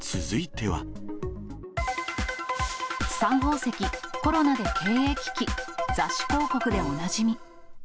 サン宝石、コロナで経営危機、雑誌広告でおなじみ。